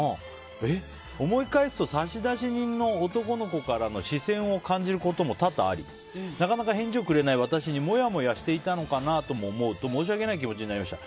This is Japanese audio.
思い返すと差出人の男の子からの視線を感じることも多々ありなかなか返事をくれない私にもやもやしていたのかなと思うと申し訳ない気持ちになりました。